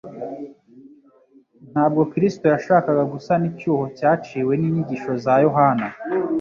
Ntabwo Kristo yashakaga gusana icyuho cyaciwe n'inyigisho za Yohana.